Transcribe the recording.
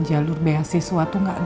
jalur bac suatu gak gaulu